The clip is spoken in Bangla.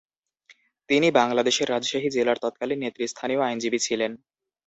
তিনি বাংলাদেশের রাজশাহী জেলার তৎকালীন নেতৃস্থানীয় আইনজীবী ছিলেন।